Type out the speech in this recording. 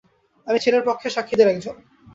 আমি ছেলের পক্ষের সাক্ষীদের এক জন।